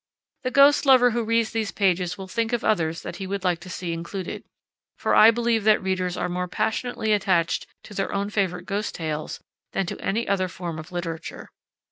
The ghost lover who reads these pages will think of others that he would like to see included for I believe that readers are more passionately attached to their own favorite ghost tales than to any other form of literature.